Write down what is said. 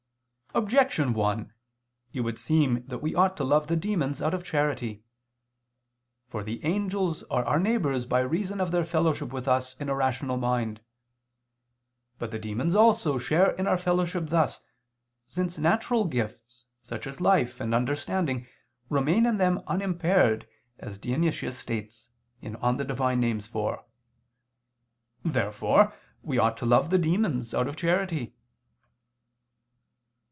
Objection 1: It would seem that we ought to love the demons out of charity. For the angels are our neighbors by reason of their fellowship with us in a rational mind. But the demons also share in our fellowship thus, since natural gifts, such as life and understanding, remain in them unimpaired, as Dionysius states (Div. Nom. iv). Therefore we ought to love the demons out of charity.